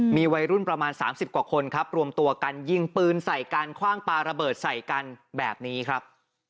มีวัยรุ่นประมาณ๓๐กว่าคนครับรวมตัวกันยิงปืนใส่กันคว่างปลาระเบิดใส่กันแบบนี้ครับ